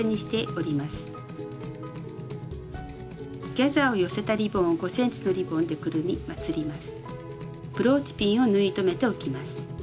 ギャザーを寄せたリボンを５ｃｍのリボンでくるみまつります。